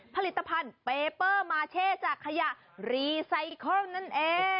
ผลิตภัณฑ์เปเปอร์มาเช่จากขยะรีไซเคิลนั่นเอง